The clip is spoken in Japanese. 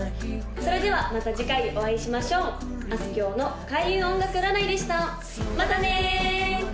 それではまた次回にお会いしましょうあすきょうの開運音楽占いでしたまたね！